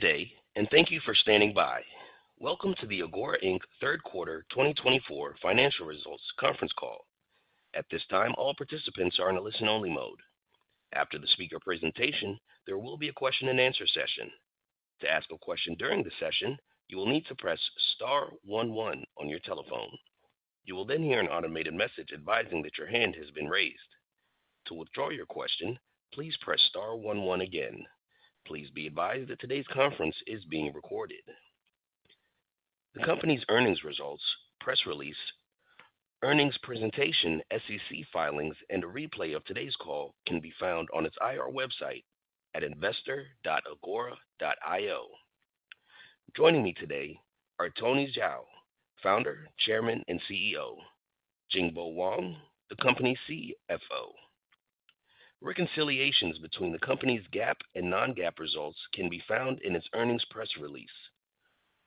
Good day, and thank you for standing by. Welcome to the Agora, Inc. Third Quarter 2024 Financial Results Conference Call. At this time, all participants are in a listen-only mode. After the speaker presentation, there will be a question-and-answer session. To ask a question during the session, you will need to press star one one on your telephone. You will then hear an automated message advising that your hand has been raised. To withdraw your question, please press star one one again. Please be advised that today's conference is being recorded. The company's earnings results, press release, earnings presentation, SEC filings, and a replay of today's call can be found on its IR website at investor.agora.io. Joining me today are Tony Zhao, founder, chairman, and CEO; Jingbo Wang, the company's CFO. Reconciliations between the company's GAAP and non-GAAP results can be found in its earnings press release.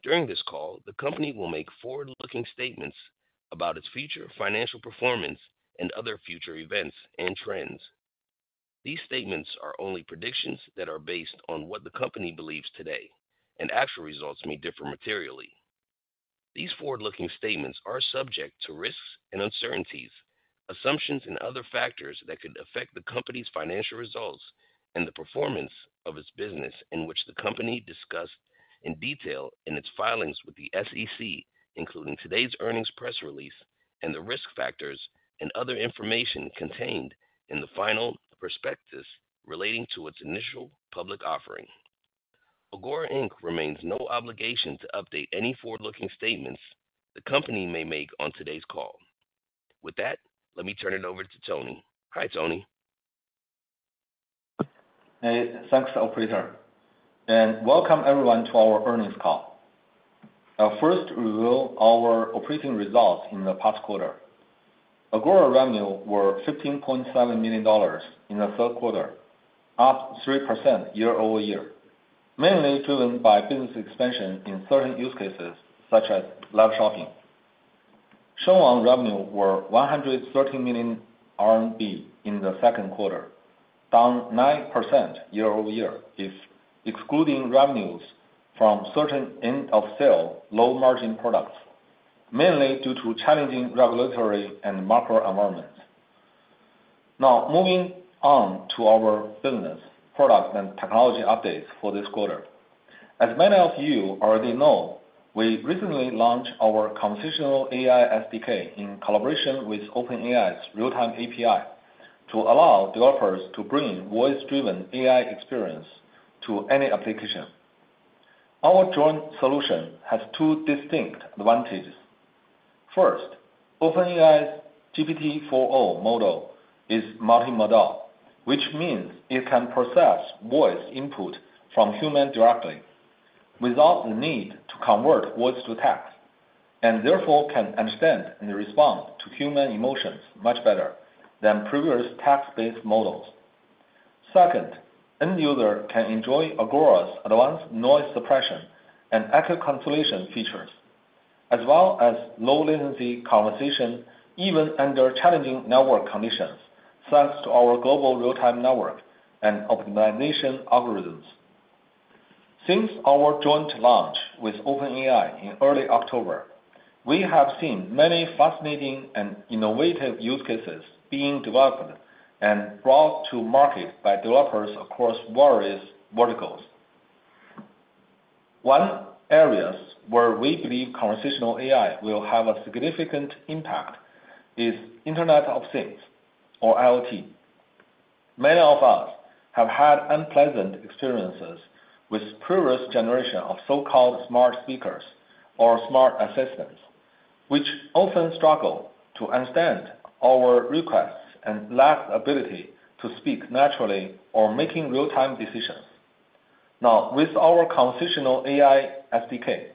During this call, the company will make forward-looking statements about its future financial performance and other future events and trends. These statements are only predictions that are based on what the company believes today, and actual results may differ materially. These forward-looking statements are subject to risks and uncertainties, assumptions, and other factors that could affect the company's financial results and the performance of its business, which the company discussed in detail in its filings with the SEC, including today's earnings press release and the risk factors and other information contained in the final prospectus relating to its initial public offering. Agora, Inc. remains no obligation to update any forward-looking statements the company may make on today's call. With that, let me turn it over to Tony. Hi, Tony. Thanks, Operator, and welcome, everyone, to our earnings call. First, we will review our operating results in the past quarter. Agora revenue was $15.7 million in the third quarter, up 3% year-over-year, mainly driven by business expansion in certain use cases such as live shopping. Shengwang revenue was 113 million RMB in the second quarter, down 9% year-over-year if excluding revenues from certain end-of-sale low-margin products, mainly due to challenging regulatory and macro environments. Now, moving on to our business, products, and technology updates for this quarter. As many of you already know, we recently launched our conversational AI SDK in collaboration with OpenAI's Realtime API to allow developers to bring voice-driven AI experience to any application. Our joint solution has two distinct advantages. First, OpenAI's GPT-4o model is multimodal, which means it can process voice input from humans directly without the need to convert voice to text, and therefore can understand and respond to human emotions much better than previous text-based models. Second, end users can enjoy Agora's advanced noise suppression and active cancellation features, as well as low-latency conversation even under challenging network conditions thanks to our global real-time network and optimization algorithms. Since our joint launch with OpenAI in early October, we have seen many fascinating and innovative use cases being developed and brought to market by developers across various verticals. One area where we believe conversational AI will have a significant impact is Internet of Things, or IoT. Many of us have had unpleasant experiences with previous generations of so-called smart speakers or smart assistants, which often struggle to understand our requests and lack the ability to speak naturally or make real-time decisions. Now, with our Conversational AI SDK,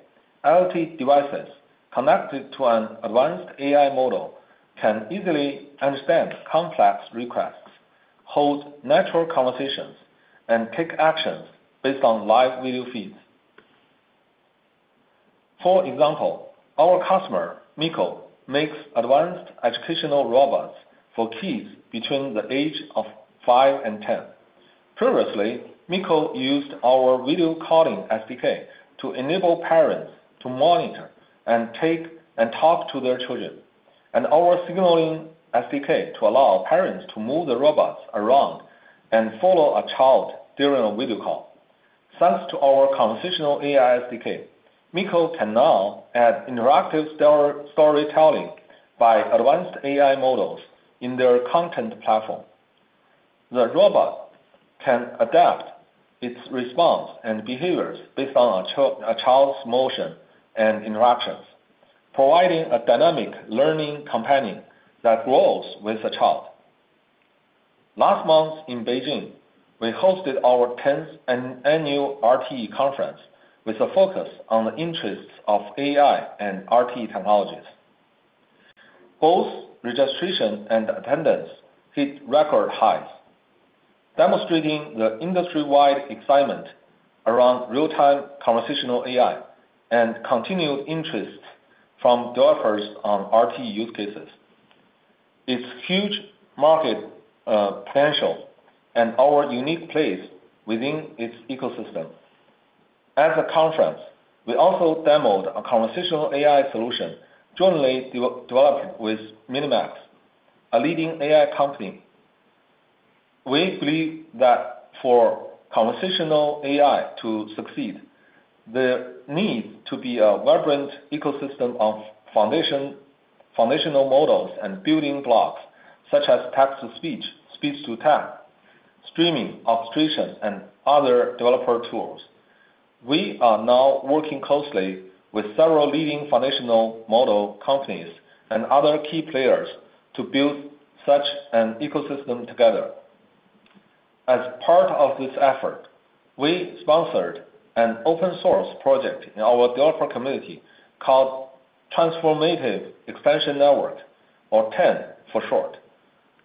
IoT devices connected to an advanced AI model can easily understand complex requests, hold natural conversations, and take actions based on live video feeds. For example, our customer, Miko, makes advanced educational robots for kids between the ages of five and 10. Previously, Miko used our Video Calling SDK to enable parents to monitor and talk to their children, and our Signaling SDK to allow parents to move the robots around and follow a child during a video call. Thanks to our Conversational AI SDK, Miko can now add interactive storytelling by advanced AI models in their content platform. The robot can adapt its response and behaviors based on a child's motion and interactions, providing a dynamic learning companion that grows with the child. Last month in Beijing, we hosted our 10th annual RTE conference with a focus on the intersection of AI and RTE technologies. Both registration and attendance hit record highs, demonstrating the industry-wide excitement around real-time conversational AI and continued interest from developers on RTE use cases. Its huge market potential and our unique place within its ecosystem. At the conference, we also demoed a conversational AI solution jointly developed with MiniMax, a leading AI company. We believe that for conversational AI to succeed, there needs to be a vibrant ecosystem of foundational models and building blocks such as text-to-speech, speech-to-text, streaming, orchestration, and other developer tools. We are now working closely with several leading foundational model companies and other key players to build such an ecosystem together. As part of this effort, we sponsored an open-source project in our developer community called Transformative Expansion Network, or TEN for short.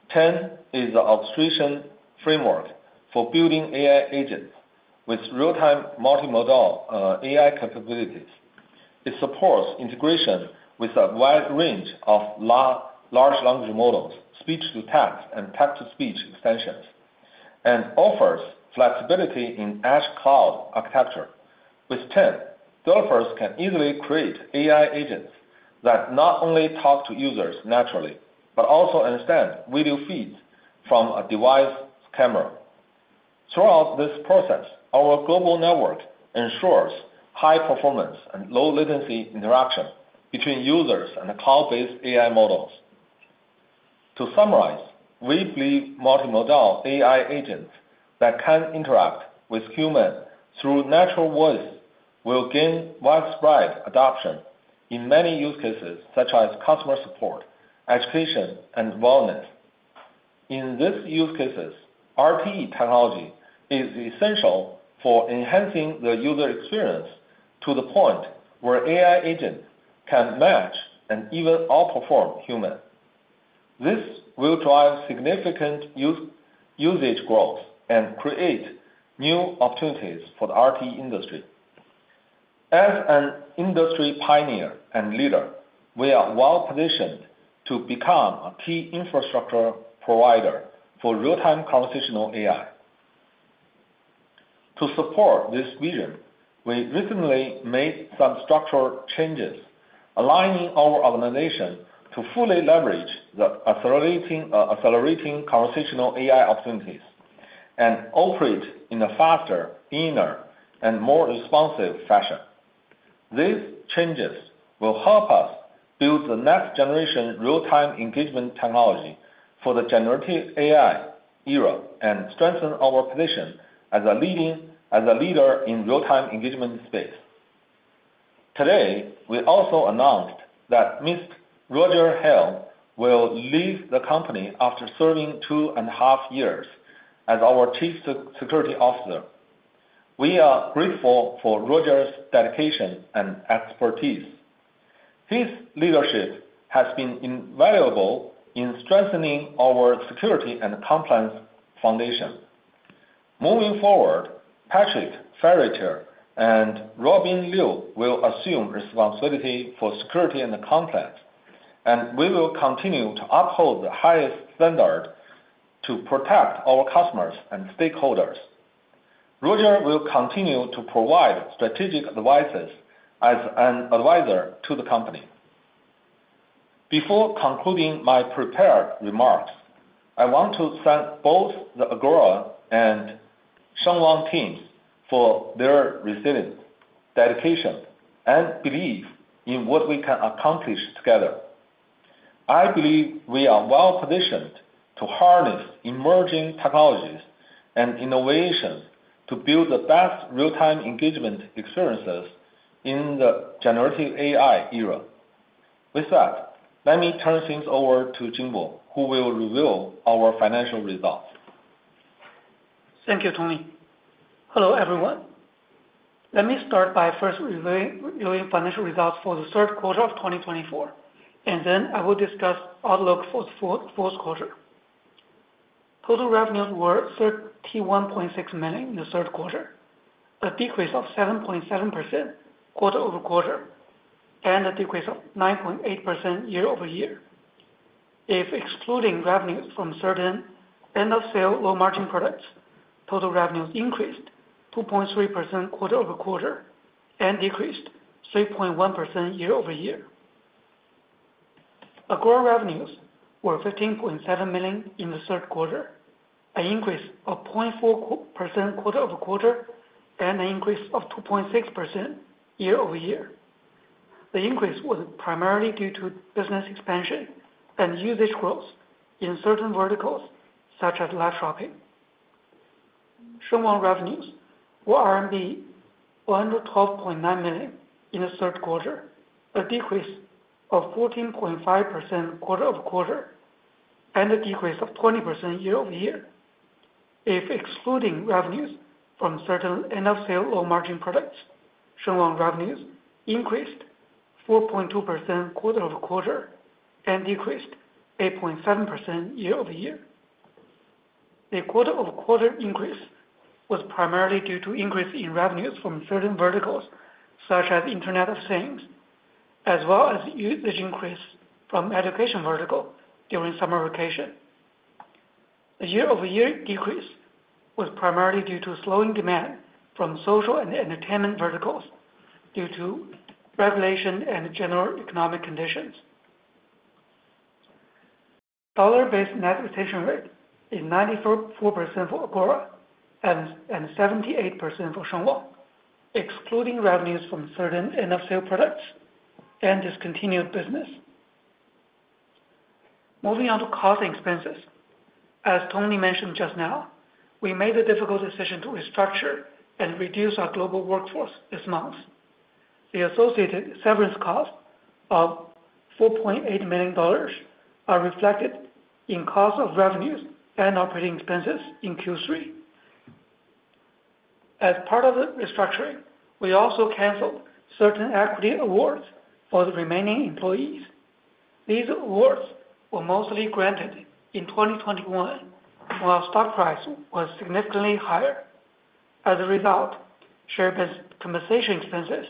TEN is an orchestration framework for building AI agents with real-time multimodal AI capabilities. It supports integration with a wide range of large language models, speech-to-text, and text-to-speech extensions, and offers flexibility in edge cloud architecture. With TEN, developers can easily create AI agents that not only talk to users naturally but also understand video feeds from a device's camera. Throughout this process, our global network ensures high performance and low-latency interaction between users and cloud-based AI models. To summarize, we believe multimodal AI agents that can interact with humans through natural voice will gain widespread adoption in many use cases such as customer support, education, and wellness. In these use cases, RTE technology is essential for enhancing the user experience to the point where AI agents can match and even outperform humans. This will drive significant usage growth and create new opportunities for the RTE industry. As an industry pioneer and leader, we are well-positioned to become a key infrastructure provider for real-time conversational AI. To support this vision, we recently made some structural changes, aligning our organization to fully leverage the accelerating conversational AI opportunities and operate in a faster, leaner, and more responsive fashion. These changes will help us build the next-generation real-time engagement technology for the generative AI era and strengthen our position as a leader in the real-time engagement space. Today, we also announced that Mr. Roger Hale will leave the company after serving two and a half years as our Chief Security Officer. We are grateful for Roger's dedication and expertise. His leadership has been invaluable in strengthening our security and compliance foundation. Moving forward, Patrick Ferriter and Robin Liu will assume responsibility for security and compliance, and we will continue to uphold the highest standard to protect our customers and stakeholders. Roger will continue to provide strategic advice as an advisor to the company. Before concluding my prepared remarks, I want to thank both the Agora and Shengwang teams for their resilience, dedication, and belief in what we can accomplish together. I believe we are well-positioned to harness emerging technologies and innovations to build the best real-time engagement experiences in the generative AI era. With that, let me turn things over to Jingbo, who will reveal our financial results. Thank you, Tony. Hello, everyone. Let me start by first reviewing financial results for the third quarter of 2024, and then I will discuss outlook for the fourth quarter. Total revenues were $31.6 million in the third quarter, a decrease of 7.7% quarter-over-quarter, and a decrease of 9.8% year-over-year. If excluding revenues from certain end-of-sale low-margin products, total revenues increased 2.3% quarter-over-quarter and decreased 3.1% year-over-year. Agora revenues were $15.7 million in the third quarter, an increase of 0.4% quarter-over-quarter, and an increase of 2.6% year-over-year. The increase was primarily due to business expansion and usage growth in certain verticals such as live shopping. Shengwang revenues were RMB 112.9 million in the third quarter, a decrease of 14.5% quarter-over-quarter, and a decrease of 20% year-over-year. If excluding revenues from certain end-of-sale low-margin products, Shengwang revenues increased 4.2% quarter-over-quarter and decreased 8.7% year-over-year. The quarter-over-quarter increase was primarily due to increases in revenues from certain verticals such as Internet of Things, as well as usage increases from the education vertical during summer vacation. The year-over-year decrease was primarily due to slowing demand from social and entertainment verticals due to regulation and general economic conditions. Dollar-based net retention rate is 94% for Agora and 78% for Shengwang, excluding revenues from certain end-of-sale products and discontinued business. Moving on to cost and expenses. As Tony mentioned just now, we made the difficult decision to restructure and reduce our global workforce this month. The associated severance costs of $4.8 million are reflected in cost of revenues and operating expenses in Q3. As part of the restructuring, we also canceled certain equity awards for the remaining employees. These awards were mostly granted in 2021, while the stock price was significantly higher. As a result, share compensation expenses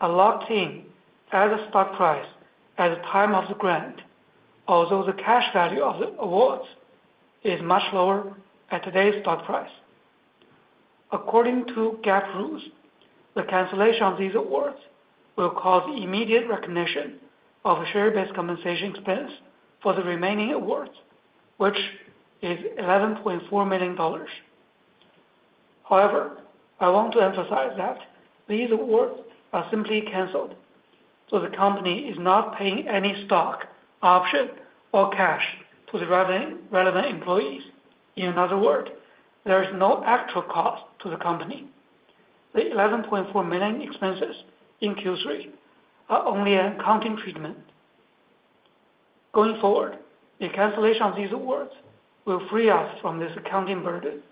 are locked in at the stock price at the time of the grant, although the cash value of the awards is much lower at today's stock price. According to GAAP rules, the cancellation of these awards will cause immediate recognition of share-based compensation expense for the remaining awards, which is $11.4 million. However, I want to emphasize that these awards are simply canceled, so the company is not paying any stock option or cash to the relevant employees. In other words, there is no actual cost to the company. The $11.4 million expenses in Q3 are only an accounting treatment. Going forward, the cancellation of these awards will free us from this accounting burden.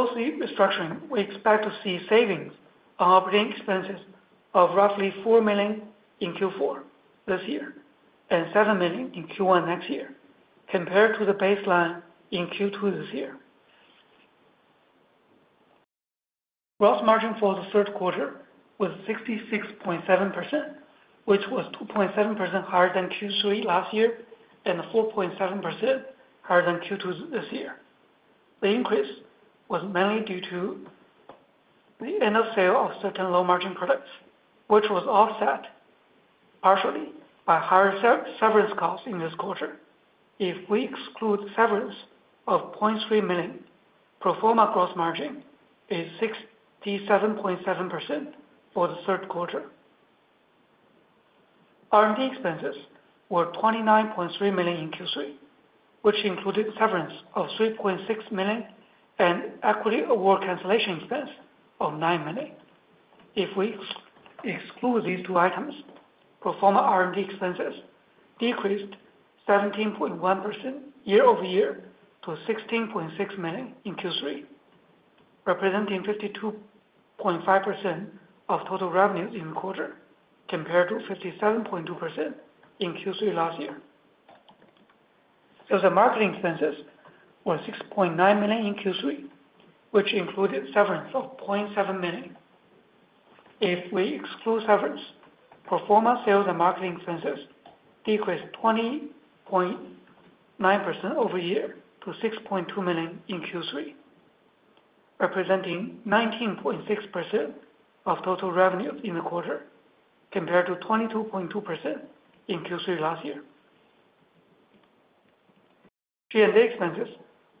Post-restructuring, we expect to see savings on operating expenses of roughly $4 million in Q4 this year and $7 million in Q1 next year, compared to the baseline in Q2 this year. Gross margin for the third quarter was 66.7%, which was 2.7% higher than Q3 last year and 4.7% higher than Q2 this year. The increase was mainly due to the end-of-sale of certain low-margin products, which was offset partially by higher severance costs in this quarter. If we exclude severance of $0.3 million, pro forma gross margin is 67.7% for the third quarter. R&D expenses were $29.3 million in Q3, which included severance of $3.6 million and equity award cancellation expense of $9 million. If we exclude these two items, pro forma R&D expenses decreased 17.1% year-over-year to $16.6 million in Q3, representing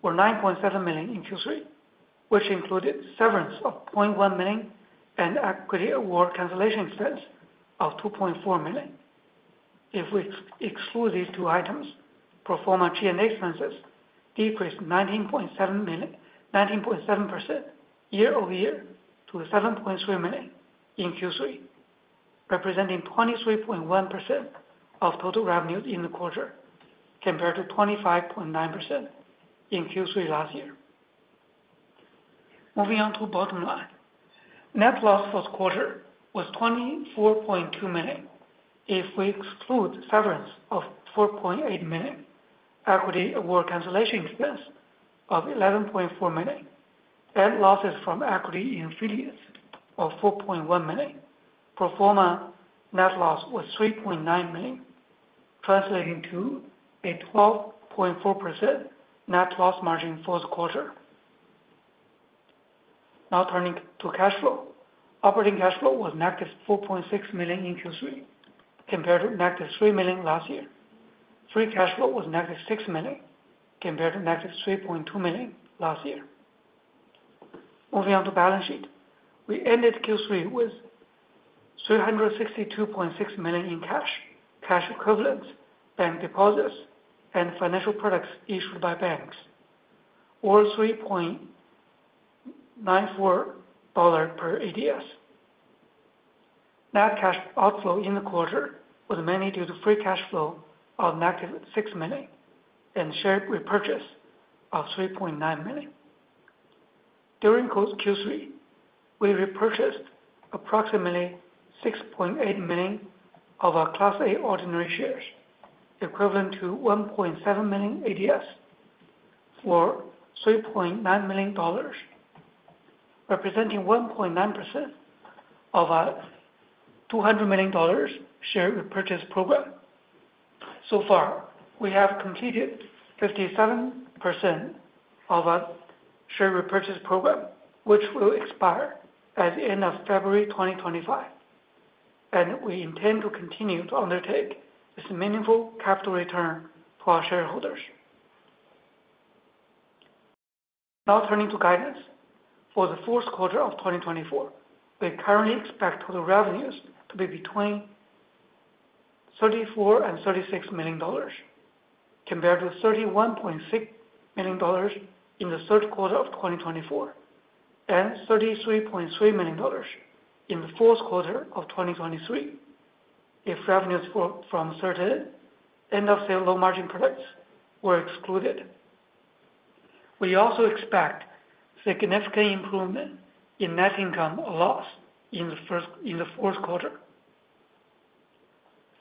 of total revenues in the quarter, compared to 57.2% in Q3 last year. Sales and marketing expenses were $6.9 million in Q3, which included severance of $0.7 million. If we exclude severance, pro forma sales and marketing expenses decreased 20.9% year-over-year to $6.2 million in Q3, representing 19.6% of total revenues in the quarter, compared to 22.2% in Q3 last year. R&D expenses were $9.7 million in Q3, which included severance of $0.1 million and equity award cancellation expense of $2.4 million. If we exclude these two items, pro forma R&D expenses decreased 19.7% year-over-year to $7.3 million in Q3, representing 23.1% of total revenues in the quarter, compared to 25.9% in Q3 last year. Moving on to the bottom line. Net loss for the quarter was $24.2 million. If we exclude severance of $4.8 million, equity award cancellation expense of $11.4 million, net losses from equity and affiliates of $4.1 million, pro forma net loss was $3.9 million, translating to a 12.4% net loss margin for the quarter. Now turning to cash flow. Operating cash flow was -$4.6 million in Q3, compared to -$3 million last year. Free cash flow was -$6 million, compared to -$3.2 million last year. Moving on to balance sheet. We ended Q3 with $362.6 million in cash, cash equivalents, bank deposits, and financial products issued by banks. Over $3.94 per ADS. Net cash outflow in the quarter was mainly due to free cash flow of negative $6 million and share repurchase of $3.9 million. During Q3, we repurchased approximately $6.8 million of our Class A ordinary shares, equivalent to $1.7 million ADS, for $3.9 million, representing 1.9% of our $200 million share repurchase program. So far, we have completed 57% of our share repurchase program, which will expire at the end of February 2025, and we intend to continue to undertake this meaningful capital return for our shareholders. Now turning to guidance. For the fourth quarter of 2024, we currently expect total revenues to be between $34 million and $36 million, compared to $31.6 million in the third quarter of 2024 and $33.3 million in the fourth quarter of 2023, if revenues from certain end-of-sale low-margin products were excluded. We also expect significant improvement in net income or loss in the fourth quarter.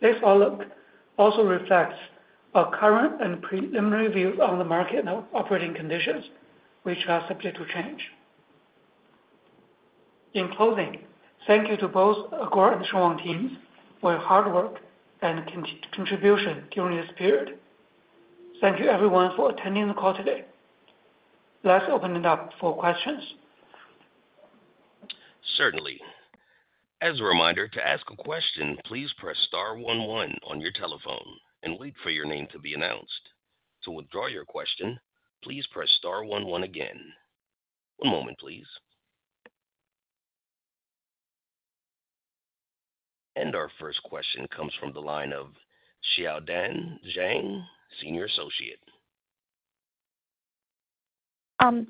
This outlook also reflects our current and preliminary views on the market and operating conditions, which are subject to change. In closing, thank you to both Agora and Shengwang teams for your hard work and contribution during this period. Thank you, everyone, for attending the call today. Let's open it up for questions. Certainly. As a reminder, to ask a question, please press star one one on your telephone and wait for your name to be announced. To withdraw your question, please press star one one again. One moment, please, and our first question comes from the line of Xiao Dan Zhang, Senior Associate.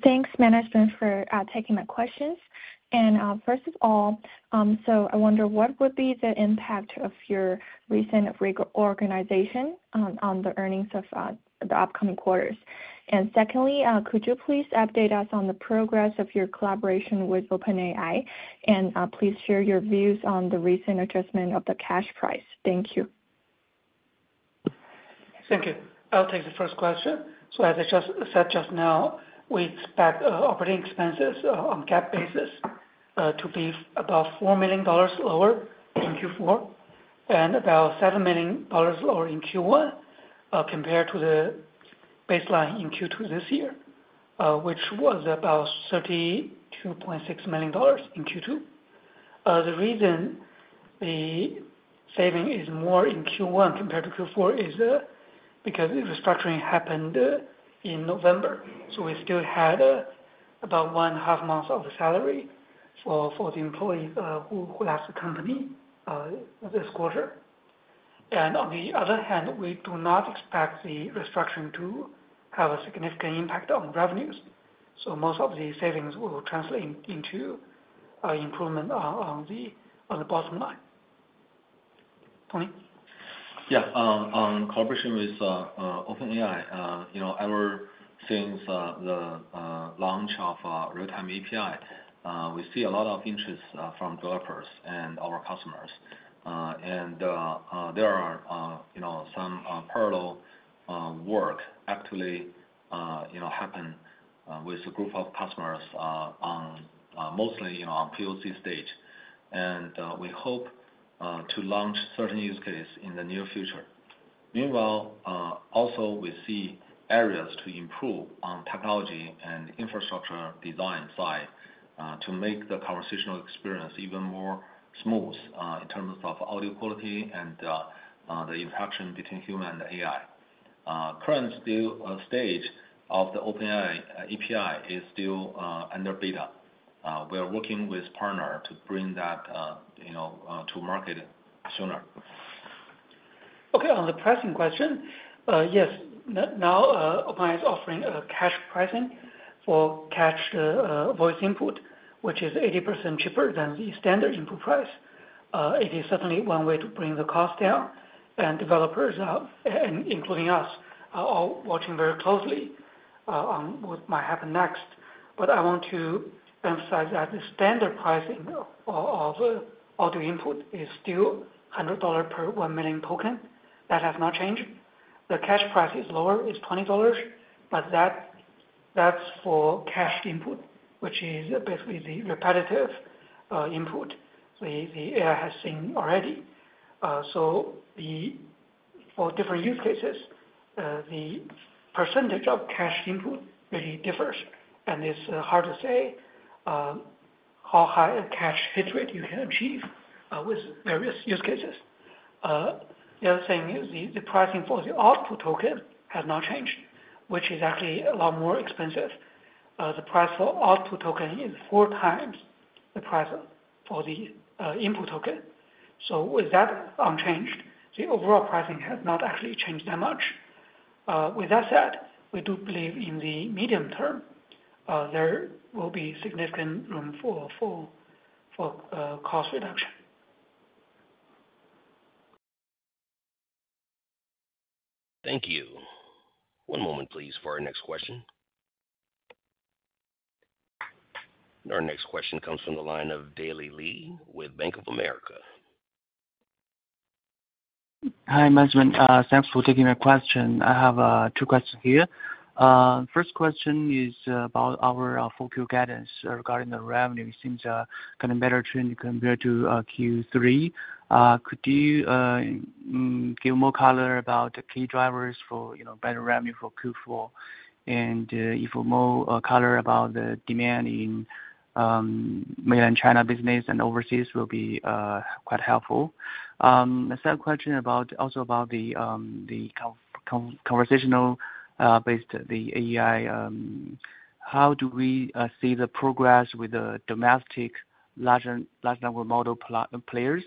Thanks, Management, for taking my questions. And first of all, so I wonder, what would be the impact of your recent reorganization on the earnings of the upcoming quarters? And secondly, could you please update us on the progress of your collaboration with OpenAI? And please share your views on the recent adjustment of the cached price. Thank you. Thank you. I'll take the first question. So as I just said just now, we expect operating expenses on a GAAP basis to be about $4 million lower in Q4 and about $7 million lower in Q1 compared to the baseline in Q2 this year, which was about $32.6 million in Q2. The reason the saving is more in Q1 compared to Q4 is because the restructuring happened in November. So we still had about one and a half months of the salary for the employees who left the company this quarter. And on the other hand, we do not expect the restructuring to have a significant impact on revenues. So most of the savings will translate into improvement on the bottom line. Tony. Yeah. On collaboration with OpenAI, ever since the launch of real-time API, we see a lot of interest from developers and our customers. And there are some parallel work actually happening with a group of customers, mostly on POC stage. And we hope to launch certain use cases in the near future. Meanwhile, also, we see areas to improve on technology and infrastructure design side to make the conversational experience even more smooth in terms of audio quality and the interaction between human and AI. Current stage of the OpenAI API is still under beta. We are working with a partner to bring that to market sooner. Okay. On the pricing question, yes. Now, OpenAI is offering a cached pricing for cached voice input, which is 80% cheaper than the standard input price. It is certainly one way to bring the cost down. And developers, including us, are all watching very closely on what might happen next. But I want to emphasize that the standard pricing of audio input is still $100 per 1 million token. That has not changed. The cached price is lower, is $20, but that's for cached input, which is basically the repetitive input the AI has seen already. So for different use cases, the percentage of cached input really differs. And it's hard to say how high a cache hit rate you can achieve with various use cases. The other thing is the pricing for the output token has not changed, which is actually a lot more expensive. The price for output token is four times the price for the input token. So with that unchanged, the overall pricing has not actually changed that much. With that said, we do believe in the medium term, there will be significant room for cost reduction. Thank you. One moment, please, for our next question. And our next question comes from the line of Daley Li with Bank of America. Hi, Management. Thanks for taking my question. I have two questions here. First question is about our fiscal guidance regarding the revenue. It seems kind of better than compared to Q3. Could you give more color about the key drivers for better revenue for Q4? And more color about the demand in mainland China business and overseas will be quite helpful. The second question is also about the conversational-based AI. How do we see the progress with the domestic large language model players?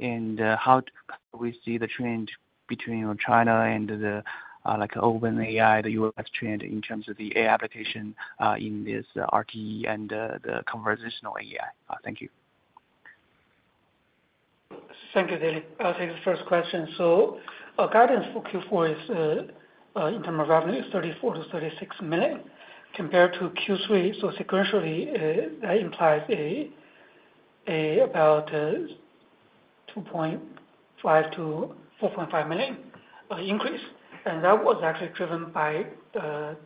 And how do we see the trend between China and the OpenAI, the U.S. trend in terms of the AI application in this RTE and the conversational AI? Thank you. Thank you, Daley. I'll take the first question. So our guidance for Q4 is, in terms of revenue, $34 million-$36 million compared to Q3. So sequentially, that implies about $2.5 million-$4.5 million increase. And that was actually driven by the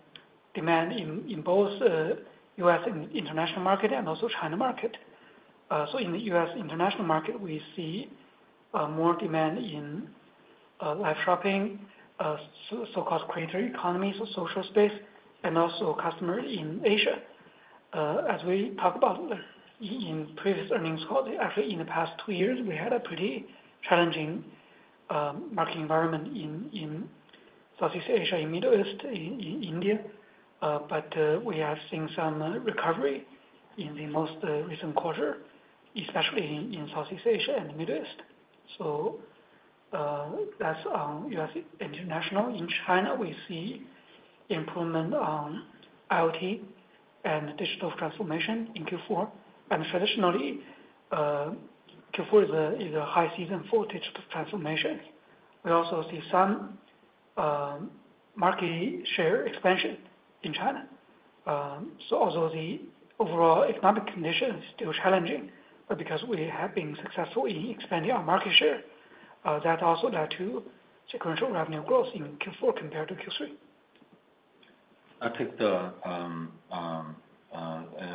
demand in both U.S. and international market and also China market. So in the U.S. international market, we see more demand in live shopping, so-called creator economy, so social space, and also customers in Asia. As we talked about in previous earnings call, actually, in the past two years, we had a pretty challenging market environment in Southeast Asia, in the Middle East and in India. But we have seen some recovery in the most recent quarter, especially in Southeast Asia and the Middle East. So that's on U.S. international. In China, we see improvement on IoT and digital transformation in Q4. Traditionally, Q4 is a high season for digital transformation. We also see some market share expansion in China. Although the overall economic condition is still challenging, but because we have been successful in expanding our market share, that also led to sequential revenue growth in Q4 compared to Q3. I'll take the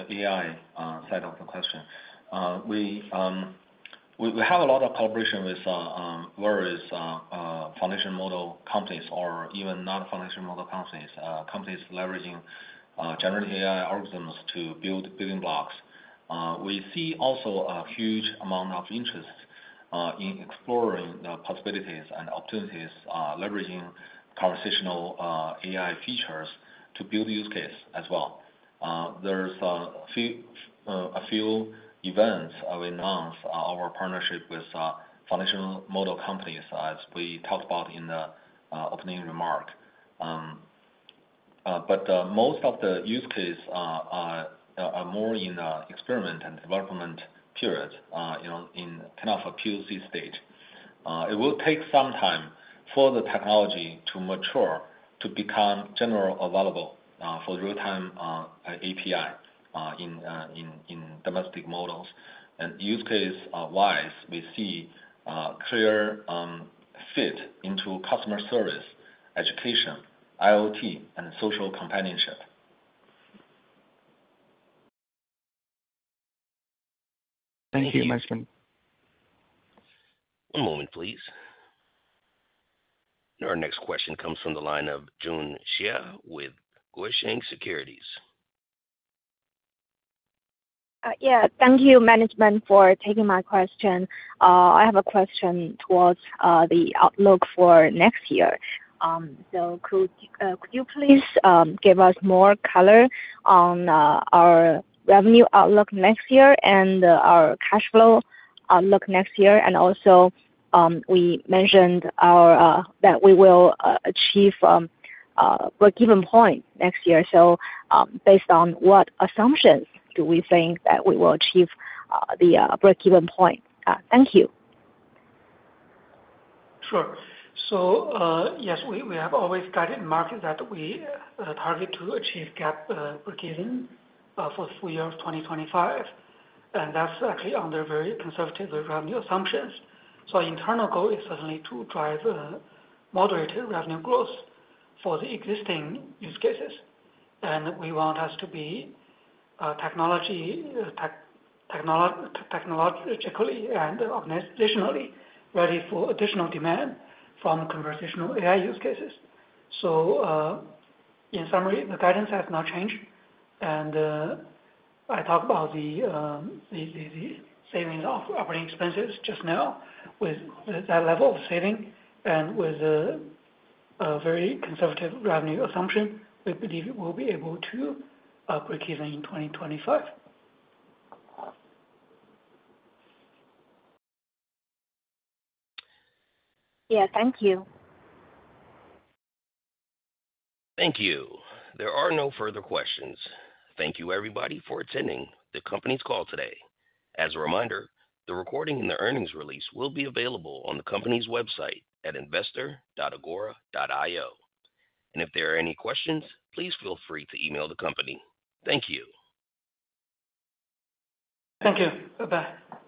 AI side of the question. We have a lot of collaboration with various foundation model companies or even non-foundation model companies, companies leveraging generative AI algorithms to build building blocks. We see also a huge amount of interest in exploring the possibilities and opportunities, leveraging conversational AI features to build use cases as well. There's a few events we announced our partnership with foundation model companies, as we talked about in the opening remark. But most of the use cases are more in the experiment and development period, kind of a POC stage. It will take some time for the technology to mature to become generally available for real-time API in domestic models. And use case-wise, we see a clear fit into customer service, education, IoT, and social companionship. Thank you, Management. One moment, please. Our next question comes from the line of Jun Xia with Guosheng Securities. Yeah. Thank you, Management, for taking my question. I have a question towards the outlook for next year. So could you please give us more color on our revenue outlook next year and our cash flow outlook next year? And also, we mentioned that we will achieve break-even point next year. So based on what assumptions do we think that we will achieve the break-even point? Thank you. Sure. So yes, we have always guided markets that we target to achieve GAAP break-even for the full year of 2025. And that's actually under very conservative revenue assumptions. So our internal goal is certainly to drive moderated revenue growth for the existing use cases. And we want to be technologically and organizationally ready for additional demand from conversational AI use cases. So in summary, the guidance has not changed. And I talked about the savings of operating expenses just now. With that level of saving and with a very conservative revenue assumption, we believe we will be able to break-even in 2025. Yeah. Thank you. Thank you. There are no further questions. Thank you, everybody, for attending the company's call today. As a reminder, the recording and the earnings release will be available on the company's website at investor.agora.io, and if there are any questions, please feel free to email the company. Thank you. Thank you. Bye-bye.